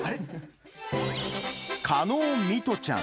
加納弥都ちゃん